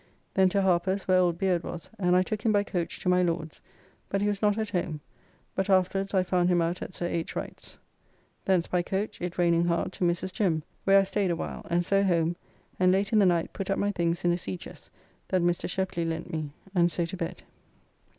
Then to Harper's where old Beard was and I took him by coach to my Lord's, but he was not at home, but afterwards I found him out at Sir H. Wright's. Thence by coach, it raining hard, to Mrs. Jem, where I staid a while, and so home, and late in the night put up my things in a sea chest that Mr. Sheply lent me, and so to bed.